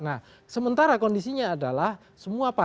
nah sementara kondisinya adalah semua paham